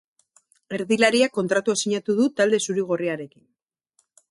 Erdilariak kontratua sinatu du talde zuri-gorriarekin.